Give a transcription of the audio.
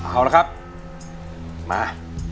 เอาละครับมา